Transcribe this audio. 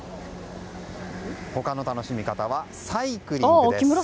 他の楽しみ方はサイクリングです。